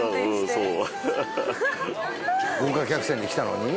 うんそう豪華客船で来たのに？